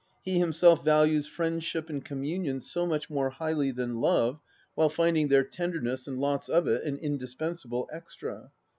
He himself values friendship and communion so much more highly than Love, while finding their tenderness, and lots of it, an indispensable extra.